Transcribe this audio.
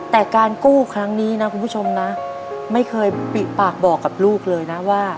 แต่การกู้ครั้งนี้นะคุณผู้ชมนะไม่เคยปิปากบอกกับลูกเลยนะว่า